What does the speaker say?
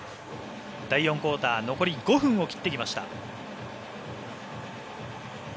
第４クオーター残り５分を切ってきました。